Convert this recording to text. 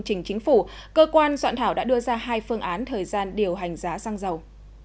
trình chính phủ cơ quan soạn thảo đã đưa ra hai phương án thời gian điều hành giá xăng dầu